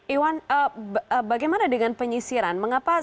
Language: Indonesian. iwan bagaimana dengan penyisiran